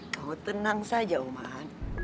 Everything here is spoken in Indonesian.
kau tenang saja oman